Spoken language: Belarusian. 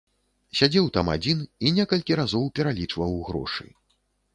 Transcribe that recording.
Сядзеў там адзін і некалькі разоў пералічваў грошы.